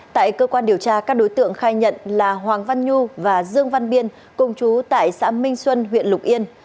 tại cơ quan điều tra các đối tượng khai nhận là hoàng văn nhu và dương văn biên cùng chú tại xã minh xuân huyện lục yên